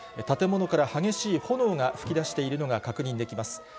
建物から激しい炎が噴き出しているのが確認されます。